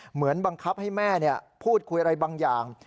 เหมือนบังคับให้แม่พูดคุยอะไรบางอย่าง